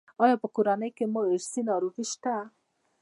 ایا په کورنۍ کې مو ارثي ناروغي شته؟